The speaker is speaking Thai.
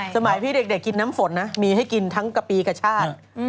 สมัยพี่เด็กกินน้ำฝนนะมีให้กินทั้งกะปีกระชาติ